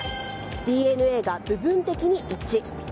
ＤＮＡが部分的に一致。